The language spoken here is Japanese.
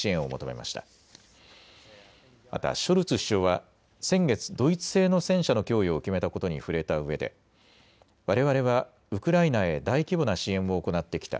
またショルツ首相は先月、ドイツ製の戦車の供与を決めたことに触れたうえでわれわれはウクライナへ大規模な支援を行ってきた。